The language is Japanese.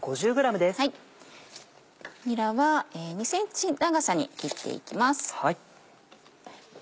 にらは２ｃｍ長さに切っていきます。